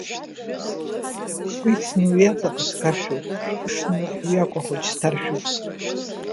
Скәицны уи аҵаҟа скаршәуп, шәҭьшны уи акәа-хәыҷ сҭаршәуп.